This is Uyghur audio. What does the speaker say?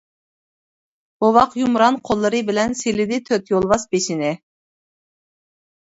بوۋاق يۇمران قوللىرى بىلەن، سىلىدى تۆت يولۋاس بېشىنى.